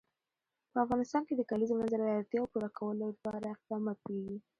په افغانستان کې د کلیزو منظره د اړتیاوو پوره کولو لپاره اقدامات کېږي.